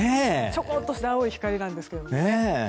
ちょこっとした青い光なんですけどね。